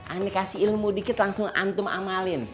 anda kasih ilmu dikit langsung antum amalin